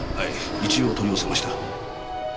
一応取り寄せました。